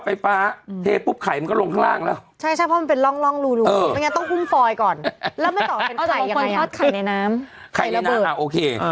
แล้วไม่ต่อเป็นไข่ยังไงอย่างไข่ในน้ำเป็นระเบิดอ้าวโอเค